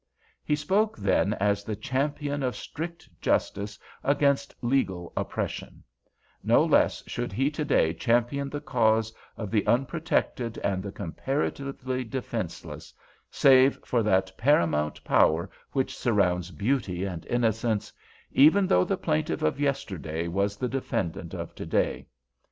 He spoke then as the champion of strict justice against legal oppression; no less should he to day champion the cause of the unprotected and the comparatively defenseless—save for that paramount power which surrounds beauty and innocence—even though the plaintiff of yesterday was the defendant of to day.